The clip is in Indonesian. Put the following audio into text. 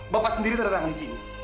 bapak sendiri tanda tangan disini